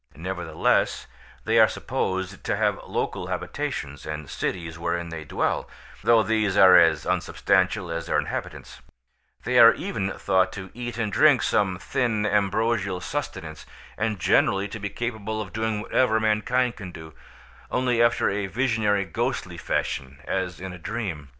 Nevertheless they are supposed to have local habitations and cities wherein they dwell, though these are as unsubstantial as their inhabitants; they are even thought to eat and drink some thin ambrosial sustenance, and generally to be capable of doing whatever mankind can do, only after a visionary ghostly fashion as in a dream.